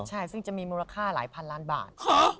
ใช่ซึ่งจะมีมูลค่าหลายพันล้านบาท